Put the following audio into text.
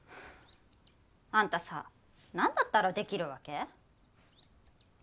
あんたさ何だったらできるわけ？